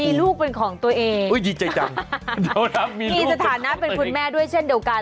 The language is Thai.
มีลูกเป็นของตัวเองดีใจจังมีสถานะเป็นคุณแม่ด้วยเช่นเดียวกัน